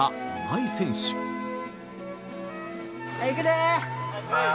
いくでー。